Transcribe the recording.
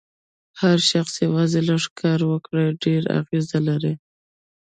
هر شخص یوازې لږ کار وکړي ډېر اغېز لري.